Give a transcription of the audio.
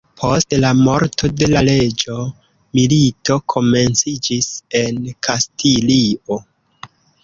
Post la morto de la reĝo, milito komenciĝis en Kastilio.